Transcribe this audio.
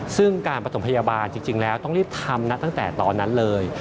ซึ่งการประถมพยาบาลจริงแล้วต้องรีบทำนะตั้งแต่ตอนนั้นเลย